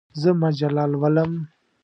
زه مجله لولم.